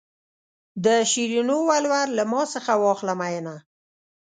د شیرینو ولور له ما څخه واخله مینه.